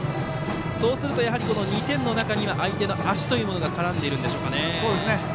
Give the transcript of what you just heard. そうするとこの２点の中には相手の足というものが絡んでいるでしょうか。